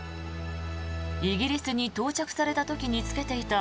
イギリスに到着された時に着けていた